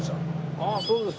ああそうですか。